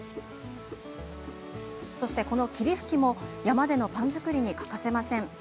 そして、この霧吹きも山でのパン作りに欠かせません。